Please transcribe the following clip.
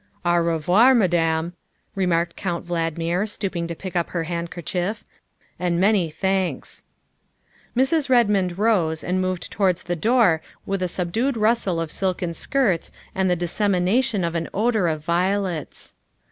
'' "Au revoir, Madame," remarked Count Valdmir, stooping to pick up her handkerchief, " and many thanks." Mrs. Redmond rose and moved towards the door with a subdued rustle of silken skirts and the dissemination of an odor of violets.